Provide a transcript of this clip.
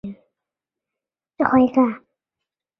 万姑娘出生于苏格兰北方。